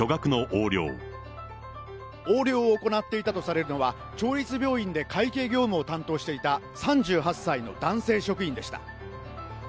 横領を行っていたとされるのは、町立病院で会計業務を担当していた３８歳の男性職員でした。